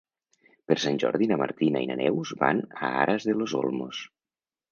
Per Sant Jordi na Martina i na Neus van a Aras de los Olmos.